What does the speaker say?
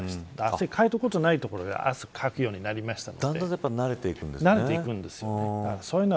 汗かいたことがない所が汗をかくようになったのでだんだん慣れていくんですよね。